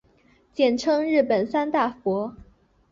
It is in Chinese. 简称为日本三大佛。